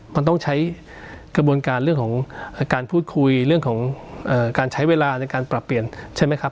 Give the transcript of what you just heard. มันต้องใช้กระบวนการเรื่องของการพูดคุยเรื่องของการใช้เวลาในการปรับเปลี่ยนใช่ไหมครับ